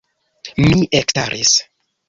Mi ekstaris.